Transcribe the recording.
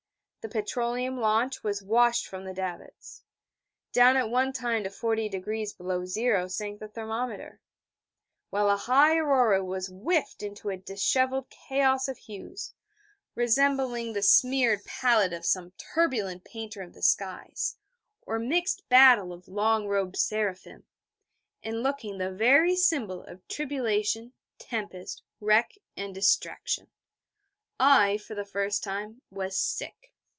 The petroleum launch was washed from the davits; down at one time to 40° below zero sank the thermometer; while a high aurora was whiffed into a dishevelled chaos of hues, resembling the smeared palette of some turbulent painter of the skies, or mixed battle of long robed seraphim, and looking the very symbol of tribulation, tempest, wreck, and distraction. I, for the first time, was sick.